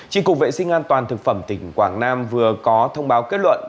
trị cục vệ sinh an toàn thực phẩm tỉnh quảng nam vừa có thông báo kết luận